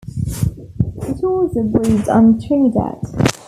It also breeds on Trinidad.